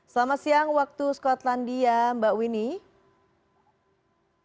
selamat siang waktu skotlandia mbak winnie